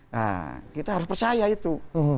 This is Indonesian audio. nah kita harus percaya itu